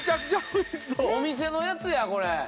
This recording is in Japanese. お店のやつやこれ。